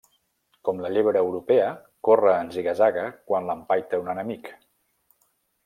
Com la llebre europea, corre en ziga-zaga quan l'empaita un enemic.